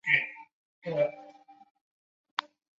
大崎站的铁路车站。